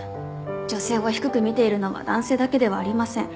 女性を低く見ているのは男性だけではありません。